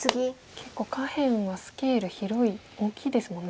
結構下辺はスケール広い大きいですもんね。